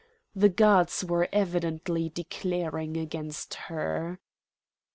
The gods were evidently declaring against her.